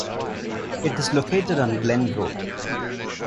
It is located on Glen Road.